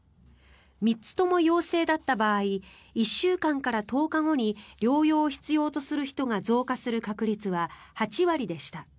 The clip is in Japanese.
３つとも陽性だった場合１週間から１０日後に療養を必要とする人が増加する確率は８割でした。